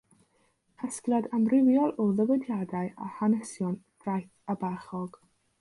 Casgliad amrywiol o ddywediadau a hanesion ffraeth a bachog.